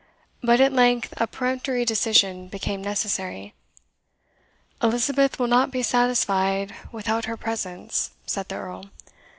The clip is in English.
But at length a peremptory decision became necessary. "Elizabeth will not be satisfied without her presence," said the Earl.